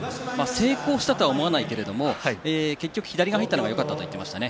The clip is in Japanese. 成功したとは思わないけれども結局、左が入ったのがよかったと言っていました。